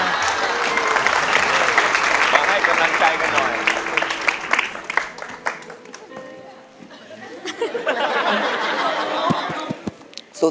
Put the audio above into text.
ขอให้กำลังใจกันหน่อย